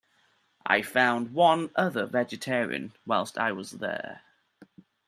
I found one other vegetarian while I was there.